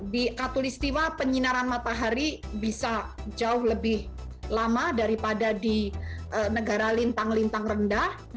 di katolistiwa penyinaran matahari bisa jauh lebih lama daripada di negara lintang lintang rendah